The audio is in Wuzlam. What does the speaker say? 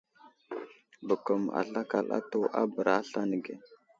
Bəkəm azlakal atu a bəra aslane ge.